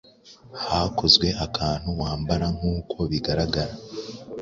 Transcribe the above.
Hakozwe akantu wambara nkuko bigaragara